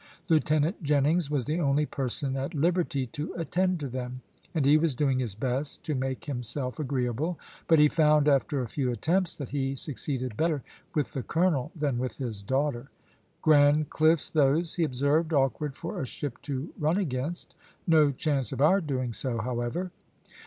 Lieutenant Jennings was the only person at liberty to attend to them, and he was doing his best to make himself agreeable; but he found, after a few attempts, that he succeeded better with the colonel than with his daughter. "Grand cliffs those," he observed; "awkward for a ship to run against. No chance of our doing so, however."